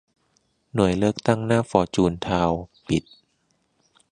หน่วยเลือกตั้งหน้าฟอร์จูนทาวน์ปิด